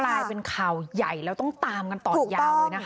กลายเป็นข่าวใหญ่แล้วต้องตามกันต่อยาวเลยนะคะ